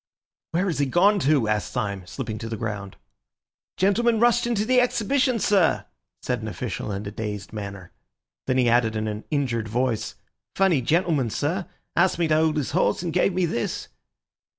"Where has he gone to?" asked Syme, slipping to the ground. "Gentleman rushed into the Exhibition, sir!" said an official in a dazed manner. Then he added in an injured voice: "Funny gentleman, sir. Asked me to hold his horse, and gave me this."